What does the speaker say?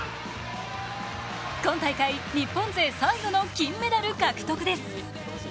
今大会、日本勢最後の金メダル獲得です。